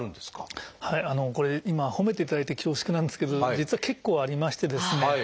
今褒めていただいて恐縮なんですけど実は結構ありましてですね